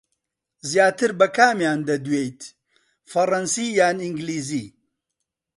زیاتر بە کامیان دەدوێیت، فەڕەنسی یان ئینگلیزی؟